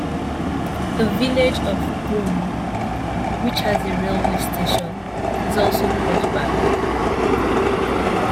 The village of Broome, which has a railway station, is also close by.